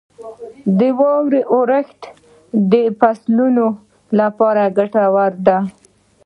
• د واورې اورښت د فصلونو لپاره ګټور دی.